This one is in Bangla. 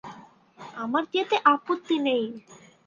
আমার যেতে আপত্তি নেই।